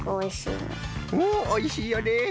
うんおいしいよね。